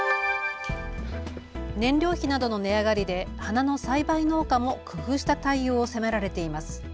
燃料費などの値上がりで花の栽培農家も工夫した対応を迫られています。